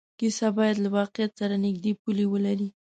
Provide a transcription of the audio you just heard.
کیسه باید له واقعیت سره نږدې پولې ولري.